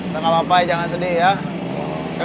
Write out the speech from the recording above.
tengah papai jangan sedih ya